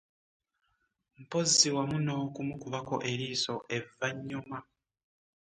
Mpozzi wamu n'okumukubako eriiso evvanyuma.